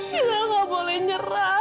kita nggak boleh nyerah